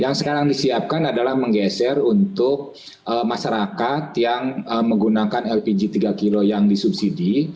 yang sekarang disiapkan adalah menggeser untuk masyarakat yang menggunakan lpg tiga kg yang disubsidi